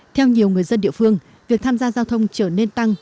theo nhiều người dân địa phương việc tham gia giao thông trở nên tăng